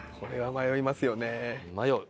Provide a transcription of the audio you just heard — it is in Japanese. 迷いますよね。